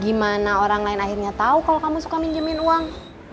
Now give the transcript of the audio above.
gimana orang lain akhirnya tahu kalau kamu suka minjemin uang